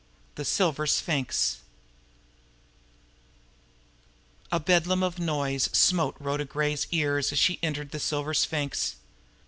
THE SILVER SPHINX A Bedlam of noise smote Rhoda Gray's ears as she entered the Silver Sphinx.